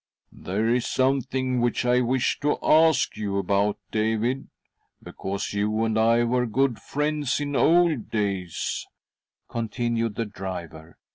" There is something which I wish to ask you about, David, because you and I were good friends . in old days," continued the driver.